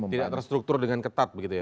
tidak terstruktur dengan ketat begitu ya